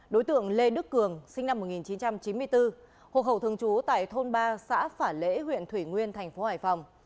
đối tượng lê đức cường sinh năm một nghìn chín trăm chín mươi bốn hộ khẩu thường trú tại thôn ba xã phả lễ huyện thủy nguyên thành phố hải phòng